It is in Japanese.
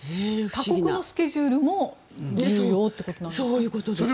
他国のスケジュールも重要ということですか。